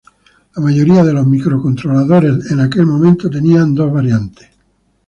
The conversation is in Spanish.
La mayoría de los microcontroladores en aquel momento tenían dos variantes.